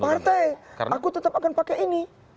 partai aku tetap akan pakai ini